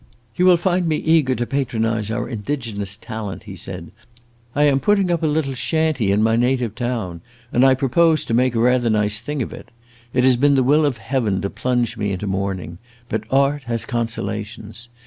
"You will find me eager to patronize our indigenous talent," he said. "I am putting up a little shanty in my native town, and I propose to make a rather nice thing of it. It has been the will of Heaven to plunge me into mourning; but art has consolations!